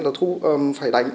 là phải đánh